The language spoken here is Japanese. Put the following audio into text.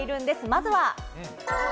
まずは。